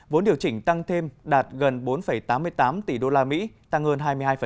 vốn điều chỉnh tăng thêm đạt gần bốn tám mươi tám tỷ usd tăng hơn hai mươi hai